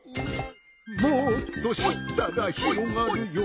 「もっとしったらひろがるよ」